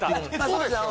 そうですね